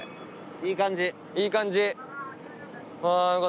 いい感じ。